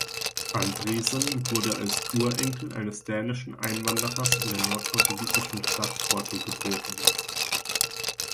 Andresen wurde als Urenkel eines dänischen Einwanderers in der nordportugiesischen Stadt Porto geboren.